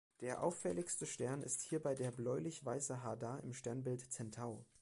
Der auffälligste Stern ist hierbei der bläulich-weiße Hadar im Sternbild Zentaur.